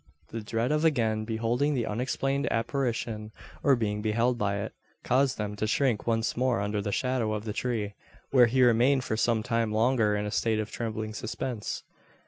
The dread of again beholding the unexplained apparition, or being beheld by it, caused him to shrink once more under the shadow of the tree; where he remained for some time longer in a state of trembling suspense.